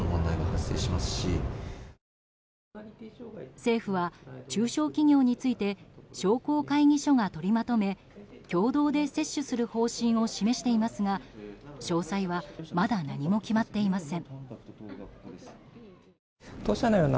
政府は中小企業について商工会議所がとりまとめ共同で接種する方針を示していますが詳細は、まだ何も決まっていません。